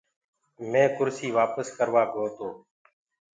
مينٚ ڪُرسي وآپس ڪروآ گو تو۔